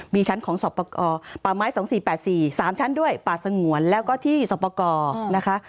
มีชั้นของสอบประกอบป่าไม้๒๔๘๔๓ชั้นด้วยป่าสงวนแล้วก็ที่สอบประกอบนะคะ